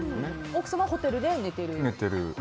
奥様はホテルで寝てる？